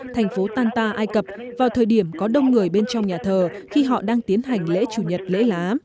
thành phố tanta ai cập vào thời điểm có đông người bên trong nhà thờ khi họ đang tiến hành lễ chủ nhật lễ lá